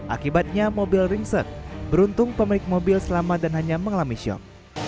akibatnya mobil ringset beruntung pemilik mobil selamat dan hanya mengalami syok